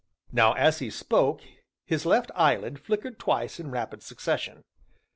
Now, as he spoke, his left eyelid flickered twice in rapid succession.